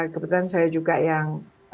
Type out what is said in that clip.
kebetulan saya juga yang